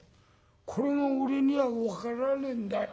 これが俺には分からねえんだ。